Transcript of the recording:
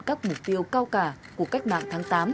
các mục tiêu cao cả của cách mạng tháng tám